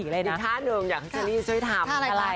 อีกท่านึงนะเค้าช่วยทำ